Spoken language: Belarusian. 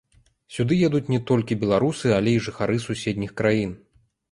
Сюды едуць не толькі беларусы, але і жыхары суседніх краін.